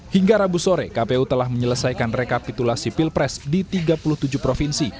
hingga rabu sore kpu telah menyelesaikan rekapitulasi pilpres di tiga puluh tujuh provinsi